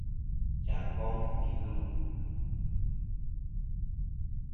Jaŋ ngong wù gvi ghɨ lu.